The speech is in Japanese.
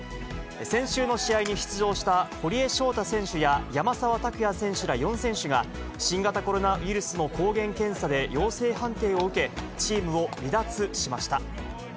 先週の試合に出場した堀江翔太選手や山沢拓也選手ら４選手が、新型コロナウイルスの抗原検査で陽性判定を受け、チームを離脱しました。